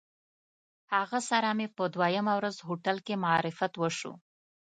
له هغه سره مې په دویمه ورځ هوټل کې معرفت وشو.